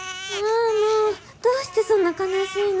もうどうしてそんな悲しいの？